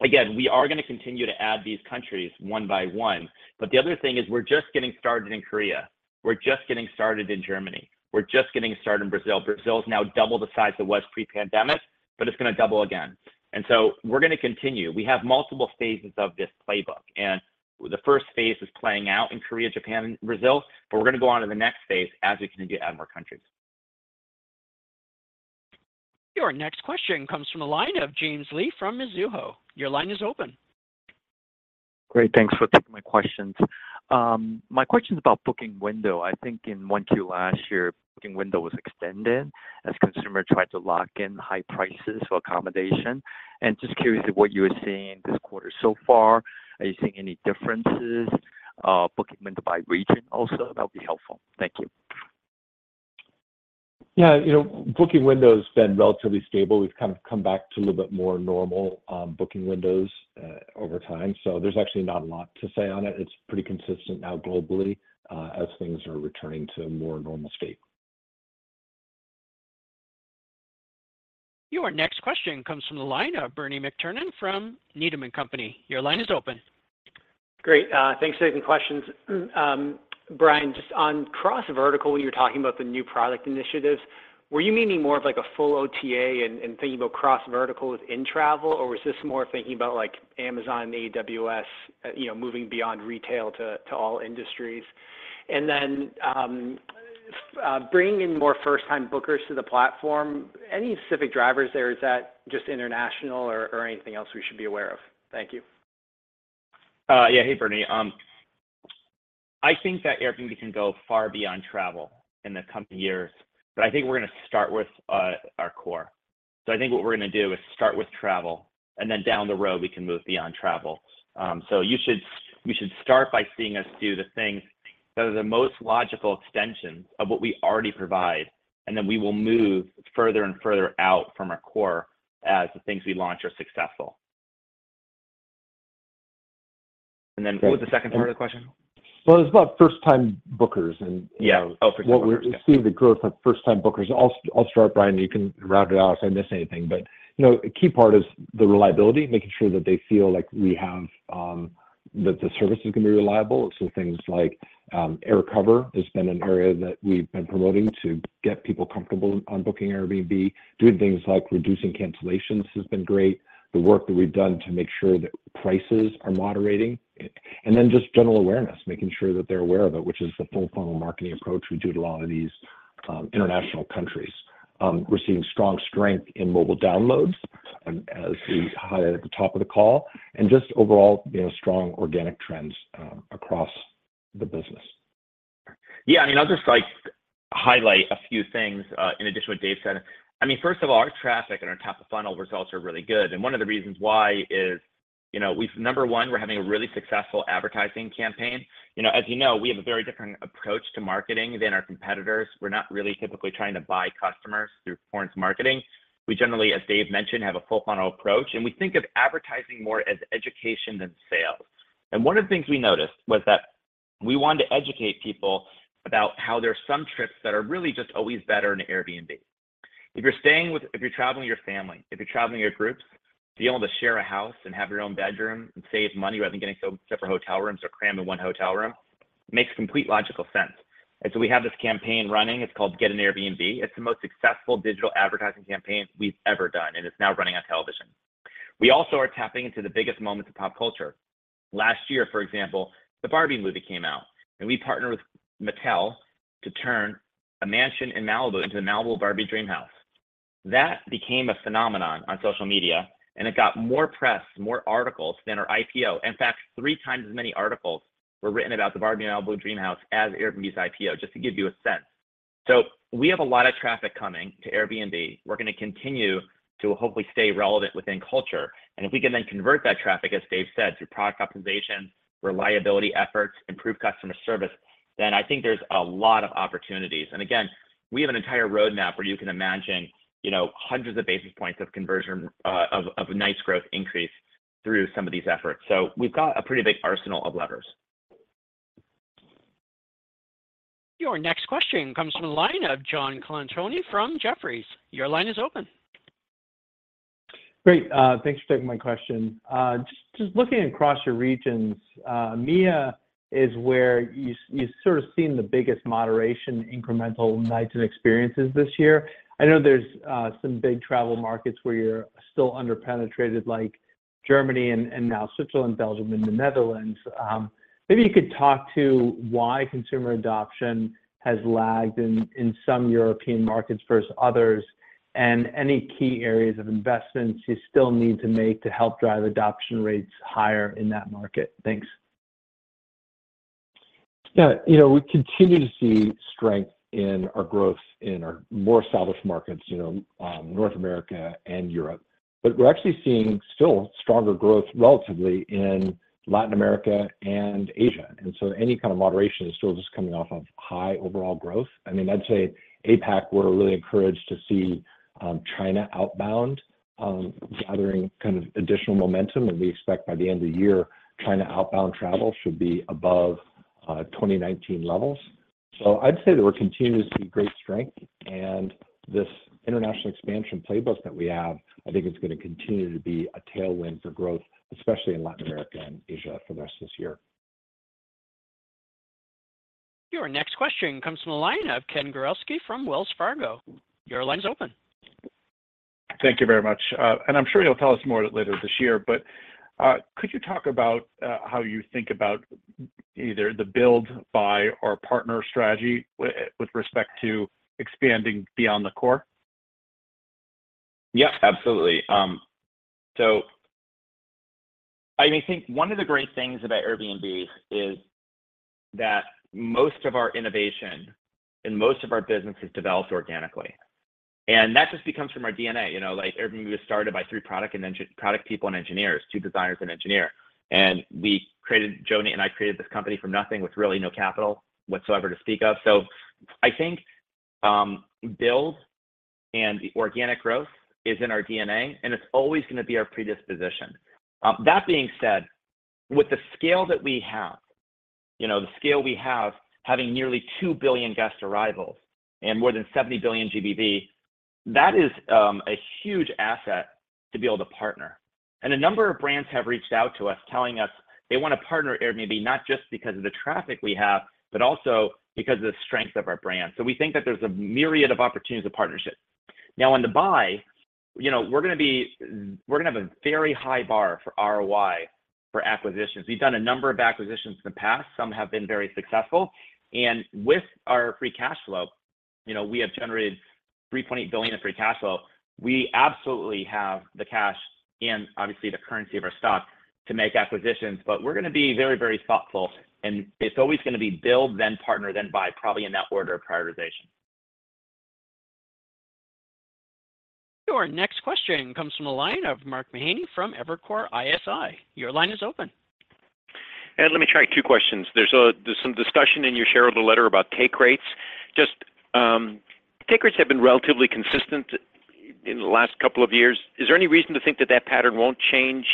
again, we are going to continue to add these countries one by one. But the other thing is we're just getting started in Korea. We're just getting started in Germany. We're just getting started in Brazil. Brazil's now double the size it was pre-pandemic, but it's going to double again. And so we're going to continue. We have multiple phases of this playbook. And the first phase is playing out in Korea, Japan, and Brazil. But we're going to go on to the next phase as we continue to add more countries. Your next question comes from a line of James Lee from Mizuho. Your line is open. Great. Thanks for taking my questions. My question's about booking window. I think in 1Q last year, booking window was extended as consumers tried to lock in high prices for accommodation. And just curious of what you were seeing this quarter so far. Are you seeing any differences? Booking window by region also, that would be helpful. Thank you. Yeah. Booking window's been relatively stable. We've kind of come back to a little bit more normal booking windows over time. So there's actually not a lot to say on it. It's pretty consistent now globally as things are returning to a more normal state. Your next question comes from a line of Bernie McTernan from Needham & Company. Your line is open. Great. Thanks for taking questions. Brian, just on cross-vertical, when you were talking about the new product initiatives, were you meaning more of a full OTA and thinking about cross-vertical with in-travel, or was this more thinking about Amazon and AWS moving beyond retail to all industries? And then bringing in more first-time bookers to the platform, any specific drivers there? Is that just international or anything else we should be aware of? Thank you. Yeah. Hey, Bernie. I think that Airbnb can go far beyond travel in the coming years. But I think we're going to start with our core. So I think what we're going to do is start with travel. And then down the road, we can move beyond travel. So you should start by seeing us do the things that are the most logical extensions of what we already provide. And then we will move further and further out from our core as the things we launch are successful. And then what was the second part of the question? Well, it was about first-time bookers. And what we're seeing the growth of first-time bookers. I'll start, Brian. You can route it out if I miss anything. But a key part is the reliability, making sure that they feel like we have that the service is going to be reliable. So things like AirCover has been an area that we've been promoting to get people comfortable on booking Airbnb. Doing things like reducing cancellations has been great. The work that we've done to make sure that prices are moderating. And then just general awareness, making sure that they're aware of it, which is the full-funnel marketing approach we do to a lot of these international countries. We're seeing strong strength in mobile downloads, as we highlighted at the top of the call, and just overall strong organic trends across the business. Yeah. I mean, I'll just highlight a few things in addition to what Dave said. I mean, first of all, our traffic and our top-of-funnel results are really good. And one of the reasons why is, number one, we're having a really successful advertising campaign. As you know, we have a very different approach to marketing than our competitors. We're not really typically trying to buy customers through performance marketing. We generally, as Dave mentioned, have a full-funnel approach. And we think of advertising more as education than sales. And one of the things we noticed was that we wanted to educate people about how there are some trips that are really just always better in Airbnb. If you're traveling with your family, if you're traveling with your groups, to be able to share a house and have your own bedroom and save money rather than getting separate hotel rooms or cramming one hotel room, it makes complete logical sense. And so we have this campaign running. It's called Get an Airbnb. It's the most successful digital advertising campaign we've ever done. And it's now running on television. We also are tapping into the biggest moments of pop culture. Last year, for example, the Barbie movie came out. And we partnered with Mattel to turn a mansion in Malibu into the Malibu Barbie DreamHouse. That became a phenomenon on social media. And it got more press, more articles than our IPO. In fact, three times as many articles were written about the Barbie Malibu DreamHouse as Airbnb's IPO, just to give you a sense. So we have a lot of traffic coming to Airbnb. We're going to continue to hopefully stay relevant within culture. And if we can then convert that traffic, as Dave said, through product optimization, reliability efforts, improved customer service, then I think there's a lot of opportunities. And again, we have an entire roadmap where you can imagine hundreds of basis points of nights growth increase through some of these efforts. So we've got a pretty big arsenal of levers. Your next question comes from a line of John Colantuoni from Jefferies. Your line is open. Great. Thanks for taking my question. Just looking across your regions, MIA is where you've sort of seen the biggest moderation incremental Nights and Experiences this year. I know there's some big travel markets where you're still underpenetrated, like Germany and now Switzerland, Belgium, and the Netherlands. Maybe you could talk to why consumer adoption has lagged in some European markets versus others and any key areas of investments you still need to make to help drive adoption rates higher in that market. Thanks. Yeah. We continue to see strength in our growth in our more established markets, North America and Europe. But we're actually seeing still stronger growth relatively in Latin America and Asia. And so any kind of moderation is still just coming off of high overall growth. I mean, I'd say APAC, we're really encouraged to see China outbound gathering kind of additional momentum. And we expect by the end of the year, China outbound travel should be above 2019 levels. So I'd say that we're continuing to see great strength. And this international expansion playbook that we have, I think it's going to continue to be a tailwind for growth, especially in Latin America and Asia for the rest of this year. Your next question comes from a line of Ken Gawrelski from Wells Fargo. Your line's open. Thank you very much. I'm sure you'll tell us more later this year. Could you talk about how you think about either the build, buy, or partner strategy with respect to expanding beyond the core? Yep. Absolutely. So I mean, I think one of the great things about Airbnb is that most of our innovation and most of our business is developed organically. And that just comes from our DNA. Airbnb was started by three product people and engineers, two designers and engineers. And Joe and I created this company from nothing with really no capital whatsoever to speak of. So I think building and the organic growth is in our DNA. And it's always going to be our predisposition. That being said, with the scale that we have, the scale we have, having nearly 2 billion guest arrivals and more than $70 billion GBV, that is a huge asset to be able to partner. A number of brands have reached out to us telling us they want to partner Airbnb not just because of the traffic we have but also because of the strength of our brand. We think that there's a myriad of opportunities of partnership. Now, on the buy, we're going to have a very high bar for ROI for acquisitions. We've done a number of acquisitions in the past. Some have been very successful. With our free cash flow, we have generated $3.8 billion of free cash flow. We absolutely have the cash and obviously the currency of our stock to make acquisitions. But we're going to be very, very thoughtful. It's always going to be build, then partner, then buy, probably in that order of prioritization. Your next question comes from a line of Mark Mahaney from Evercore ISI. Your line is open. Let me try two questions. There's some discussion in your shareholder letter about take rates. Take rates have been relatively consistent in the last couple of years. Is there any reason to think that that pattern won't change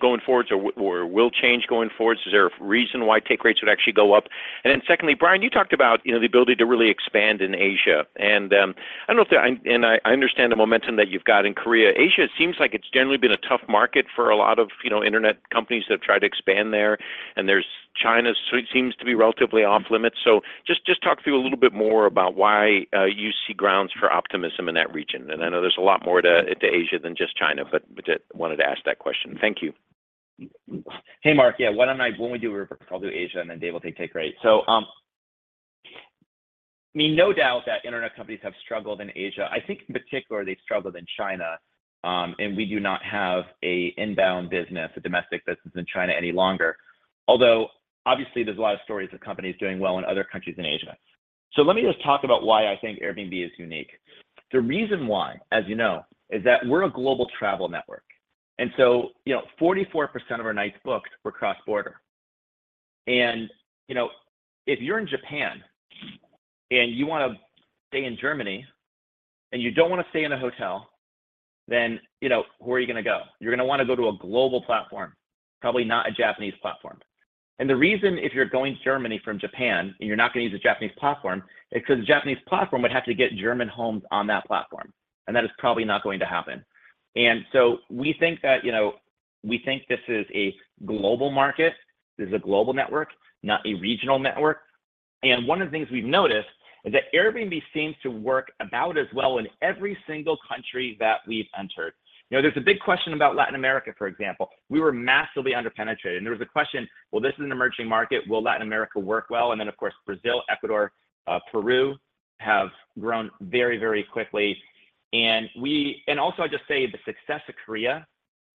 going forwards or will change going forwards? Is there a reason why take rates would actually go up? And then secondly, Brian, you talked about the ability to really expand in Asia. And I don't know if there and I understand the momentum that you've got in Korea. Asia seems like it's generally been a tough market for a lot of internet companies that have tried to expand there. And China seems to be relatively off-limits. So just talk through a little bit more about why you see grounds for optimism in that region. And I know there's a lot more to Asia than just China. But I wanted to ask that question. Thank you. Hey, Mark. Yeah. When we do a report, I'll do Asia. And then Dave will take take rate. So I mean, no doubt that internet companies have struggled in Asia. I think in particular, they've struggled in China. And we do not have an inbound business, a domestic business in China any longer, although obviously, there's a lot of stories of companies doing well in other countries in Asia. So let me just talk about why I think Airbnb is unique. The reason why, as you know, is that we're a global travel network. And so 44% of our nights booked were cross-border. And if you're in Japan and you want to stay in Germany and you don't want to stay in a hotel, then where are you going to go? You're going to want to go to a global platform, probably not a Japanese platform. And the reason if you're going to Germany from Japan and you're not going to use a Japanese platform is because the Japanese platform would have to get German homes on that platform. And that is probably not going to happen. And so we think that we think this is a global market. This is a global network, not a regional network. And one of the things we've noticed is that Airbnb seems to work about as well in every single country that we've entered. There's a big question about Latin America, for example. We were massively underpenetrated. And there was a question, "Well, this is an emerging market. Will Latin America work well?" And then, of course, Brazil, Ecuador, Peru have grown very, very quickly. And also, I'll just say the success of Korea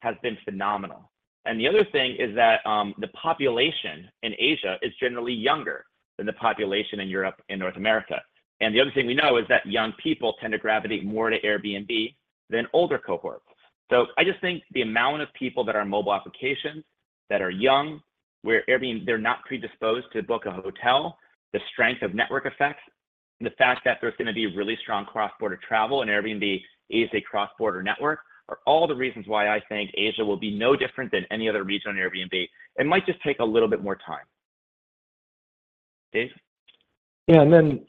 has been phenomenal. The other thing is that the population in Asia is generally younger than the population in Europe and North America. The other thing we know is that young people tend to gravitate more to Airbnb than older cohorts. I just think the amount of people that are on mobile applications that are young, where they're not predisposed to book a hotel, the strength of network effects, and the fact that there's going to be really strong cross-border travel and Airbnb is a cross-border network are all the reasons why I think Asia will be no different than any other region on Airbnb. It might just take a little bit more time. Dave? Yeah. And then,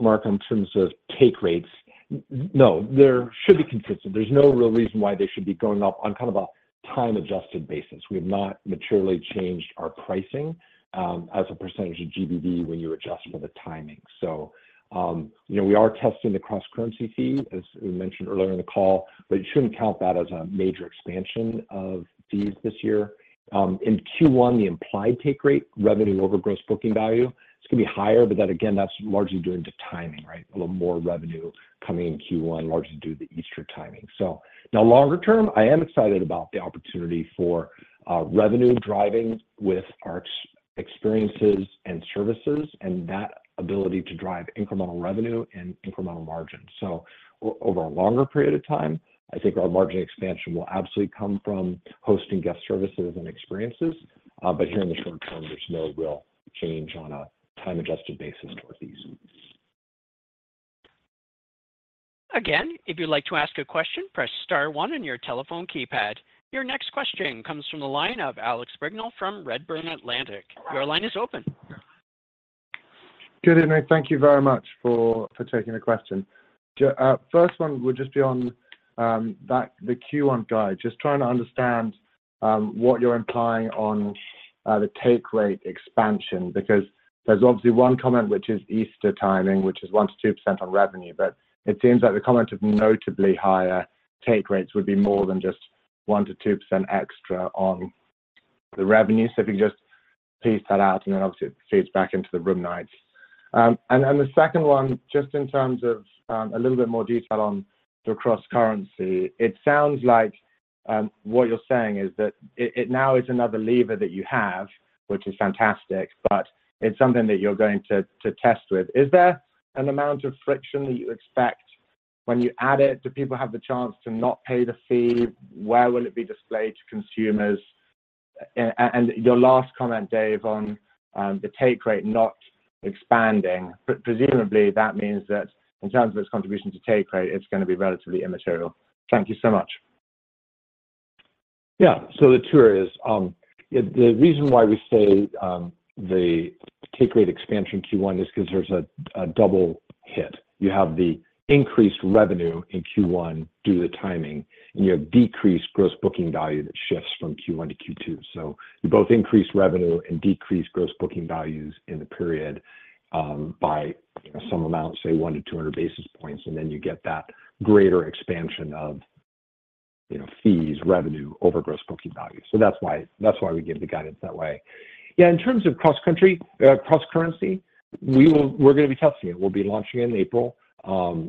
Mark, in terms of take rates, no, they should be consistent. There's no real reason why they should be going up on kind of a time-adjusted basis. We have not materially changed our pricing as a percentage of GBV when you adjust for the timing. So we are testing the cross-currency fee, as we mentioned earlier in the call. But it shouldn't count that as a major expansion of fees this year. In Q1, the implied take rate, revenue over gross booking value, it's going to be higher. But again, that's largely due to timing, right, a little more revenue coming in Q1, largely due to the Easter timing. So now, longer term, I am excited about the opportunity for revenue driving with our experiences and services and that ability to drive incremental revenue and incremental margins. So over a longer period of time, I think our margin expansion will absolutely come from hosting guest services and experiences. But here in the short term, there's no real change on a time-adjusted basis towards these. Again, if you'd like to ask a question, press star 1 on your telephone keypad. Your next question comes from a line of Alex Brignall from Redburn Atlantic. Your line is open. Good evening. Thank you very much for taking the question. First one, would just be on the Q1 guide, just trying to understand what you're implying on the take rate expansion because there's obviously one comment, which is Easter timing, which is 1%-2% on revenue. But it seems like the comment of notably higher take rates would be more than just 1%-2% extra on the revenue. So if you could just piece that out. And then obviously, it feeds back into the room nights. And the second one, just in terms of a little bit more detail on the cross-currency, it sounds like what you're saying is that now it's another lever that you have, which is fantastic. But it's something that you're going to test with. Is there an amount of friction that you expect when you add it? Do people have the chance to not pay the fee? Where will it be displayed to consumers? And your last comment, Dave, on the take rate not expanding, presumably, that means that in terms of its contribution to take rate, it's going to be relatively immaterial. Thank you so much. Yeah. So the two areas. The reason why we say the take rate expansion Q1 is because there's a double hit. You have the increased revenue in Q1 due to the timing. And you have decreased gross booking value that shifts from Q1 to Q2. So you both increase revenue and decrease gross booking values in the period by some amount, say, 100-200 basis points. And then you get that greater expansion of fees, revenue over gross booking value. So that's why we give the guidance that way. Yeah. In terms of cross-currency, we're going to be testing it. We'll be launching in April.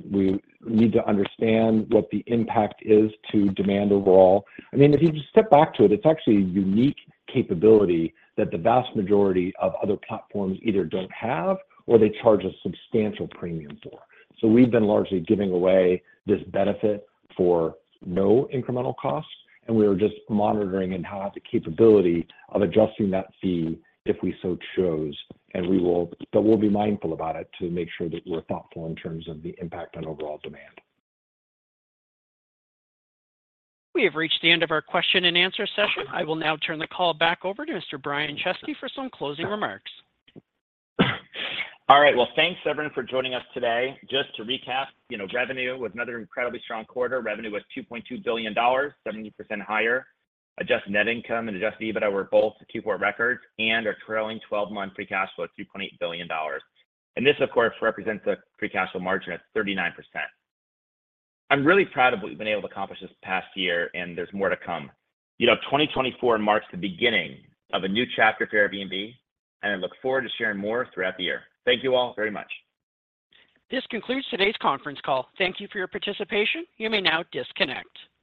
We need to understand what the impact is to demand overall. I mean, if you just step back to it, it's actually a unique capability that the vast majority of other platforms either don't have or they charge a substantial premium for. We've been largely giving away this benefit for no incremental cost. We are just monitoring and have the capability of adjusting that fee if we so chose. We'll be mindful about it to make sure that we're thoughtful in terms of the impact on overall demand. We have reached the end of our question and answer session. I will now turn the call back over to Mr. Brian Chesky for some closing remarks. All right. Well, thanks, everyone, for joining us today. Just to recap, revenue was another incredibly strong quarter. Revenue was $2.2 billion, 70% higher. Adjusted net income and Adjusted EBITDA were both Q4 records and our trailing 12-month free cash flow at $3.8 billion. And this, of course, represents a free cash flow margin at 39%. I'm really proud of what we've been able to accomplish this past year. And there's more to come. 2024 marks the beginning of a new chapter for Airbnb. And I look forward to sharing more throughout the year. Thank you all very much. This concludes today's conference call. Thank you for your participation. You may now disconnect.